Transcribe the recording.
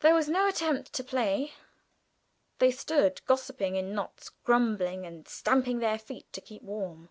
There was no attempt to play. They stood gossiping in knots, grumbling and stamping their feet to keep warm.